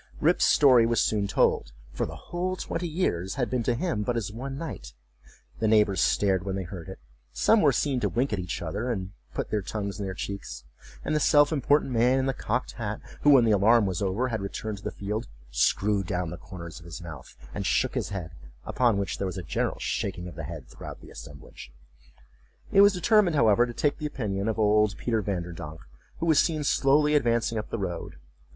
Rip's story was soon told, for the whole twenty years had been to him but as one night. The neighbors stared when they heard it; some were seen to wink at each other, and put their tongues in their cheeks: and the self important man in the cocked hat, who, when the alarm was over, had returned to the field, screwed down the corners of his mouth, and shook his head—upon which there was a general shaking of the head throughout the assemblage.It was determined, however, to take the opinion of old Peter Vanderdonk, who was seen slowly advancing up the road.